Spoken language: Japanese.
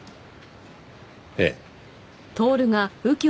ええ。